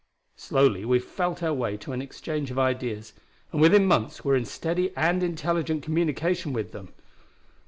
Slowly we felt our way to an exchange of ideas, and within months were in steady and intelligent communication with them.